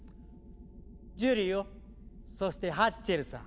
ジュリオそしてハッチェルさん。